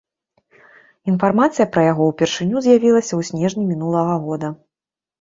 Інфармацыя пра яго ўпершыню з'явілася ў снежні мінулага года.